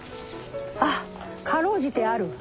あっかろうじてある。